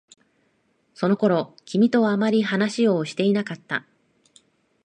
その頃、君とあまり話をしていなかった。